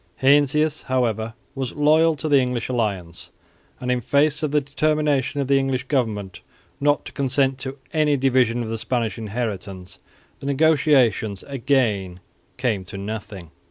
Heinsius however was loyal to the English alliance; and, in face of the determination of the English government not to consent to any division of the Spanish inheritance, the negotiations again came to nothing.